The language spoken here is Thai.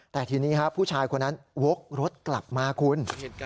แต่ทีนี้ครับผู้ชายคนนั้นวกรถกลับมาคุณ